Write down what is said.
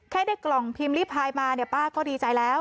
ได้กล่องพิมพ์ริพายมาเนี่ยป้าก็ดีใจแล้ว